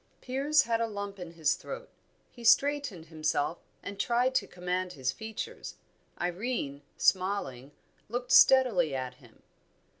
Piers had a lump in his throat; he straightened himself, and tried to command his features. Irene, smiling, looked steadily at him.